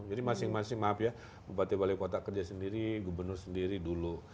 jadi masing masing maaf ya bupati wali kota kerja sendiri gubernur sendiri dulu